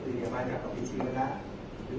แต่ว่าไม่มีปรากฏว่าถ้าเกิดคนให้ยาที่๓๑